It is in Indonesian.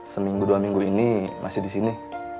seminggu dua minggu ini masih di sini